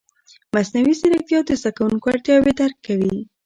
مصنوعي ځیرکتیا د زده کوونکو اړتیاوې درک کوي.